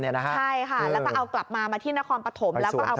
ใช่ค่ะแล้วก็เอากลับมาที่นครปฐม